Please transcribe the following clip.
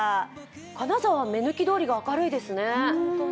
金沢、目抜き通りが明るいですね。